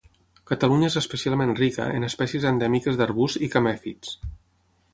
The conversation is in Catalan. Catalunya és especialment rica en espècies endèmiques d'arbusts i camèfits.